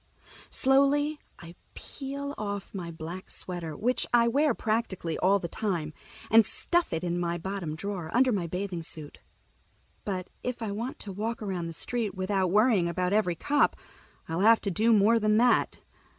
Slowly I peel off my black sweater, which I wear practically all the time, and stuff it in my bottom drawer, under my bathing suit. But if I want to walk around the street without worrying about every cop, I'll have to do more than that.